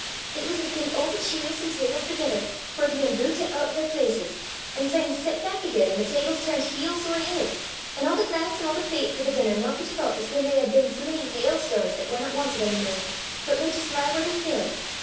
It was as gien a' the cheirs an' tables thegither war bein' routit oot o' their places, an' syne set back again, an' the tables turnt heels ower heid, an' a' the glaiss an' a' the plate for the denner knockit aboot as gien they had been sae mony hailstanes that warna wantit ony mair, but micht jist lie whaur they fell.